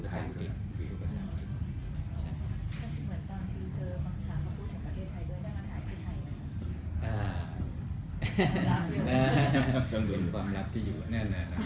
อ้อหรือฟังแหละ